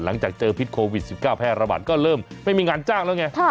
หลังจากเจอพิษโควิด๑๙แพร่ระบาดก็เริ่มไม่มีงานจ้างแล้วไง